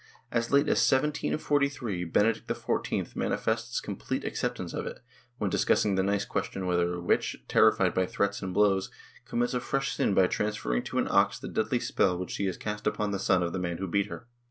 As late as 1743, Benedict XIV manifests complete acceptance of it, when discussing the nice question whether a witch, terrified by threats and blows, commits a fresh sin by transferring to an ox the deadly spell which she has cast upon the son of the man who beat her.